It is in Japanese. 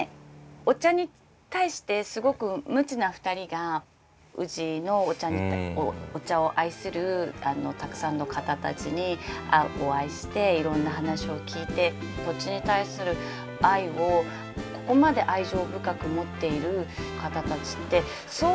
お茶に対してすごく無知な２人が宇治のお茶を愛するたくさんの方たちにお会いしていろんな話を聞いて土地に対する愛をここまで愛情深く持っている方たちってそう全国にもいないと思うの。